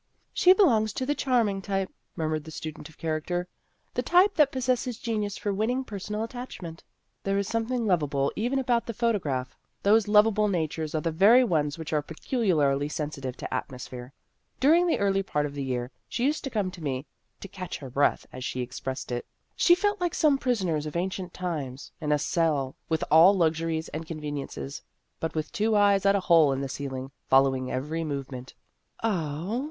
" She belongs to the charming type," murmured the student of character, " the type that possesses genius for winning personal attachment." " There is something lovable even about the photograph. Those lovable natures 232 Vassar Studies are the very ones which are peculiarly sensitive to atmosphere. During the early part of the year, she used to come to me to 'catch her breath,' as she ex pressed it. She felt like some prisoners of ancient times in a cell with all lux uries and conveniences, but with two eyes at a hole in the ceiling, following every movement." " Oh